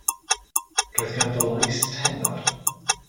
Roedd ganddo lais tenor.